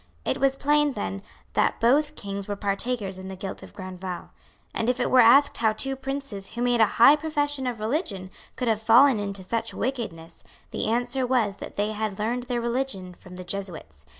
It was plain, then, that both Kings were partakers in the guilt of Grandval. And if it were asked how two princes who made a high profession of religion could have fallen into such wickedness, the answer was that they had learned their religion from the Jesuits.